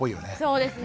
そうですね。